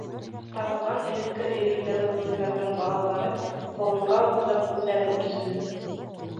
Таралған элекке өйөрҙәге бүреләрҙең балалары, быуынға ултырып, үҙҙәре үрсене.